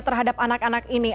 terhadap anak anak ini